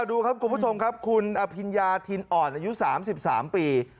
ดูครับคุณผู้ชมครับคุณอภิญญาธินอ่อนอายุ๓๓ปี